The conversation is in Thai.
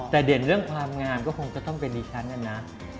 แต่เด่นเรื่องความงามก็คงจะต้องเป็นดิฉันนะ